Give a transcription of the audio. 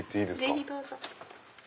ぜひどうぞ。